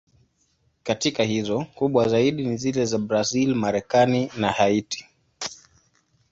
Katika hizo, kubwa zaidi ni zile za Brazil, Marekani na Haiti.